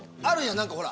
何かほら。